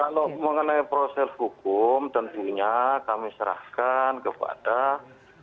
nah kalau mengenai proses hukum tentunya kami serahkan kepada majelis hakim